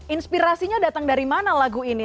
inspirasinya datang dari mana lagu ini